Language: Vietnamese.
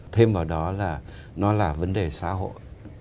thêm vào đó là nó là vấn đề xã hội